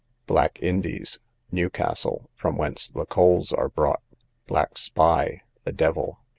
Black Indies, Newcastle, from whence the coals are brought. Black spy, the devil.